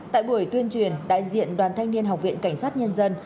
tại buổi tuyên truyền đại diện đoàn thanh niên học viện cảnh sát nhân dân